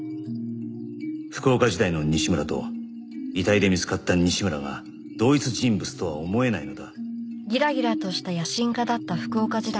福岡時代の西村と遺体で見つかった西村が同一人物とは思えないのだ